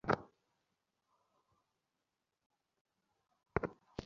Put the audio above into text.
ভারতবর্ষের সেবা সুন্দর হবে না, তুমি যদি তাঁর কাছ থেকে দূরে থাক।